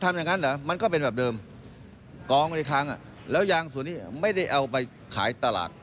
เรื่องอื่นคำหนดเมื่อยาก์สุดนี้ยันน่าไม่ได้เอาไปขายตลาดแข่งและข้างนอก